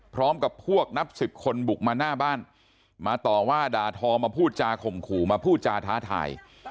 พร้อมกับพวกนับสิบคนบุกมาหน้าบ้านมาต่อว่าด่าทอมาพูดจาข่มขู่มาพูดจาท้าทาย